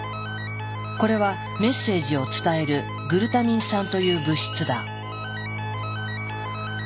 これはメッセージを伝えるグルタミン酸という物質だ。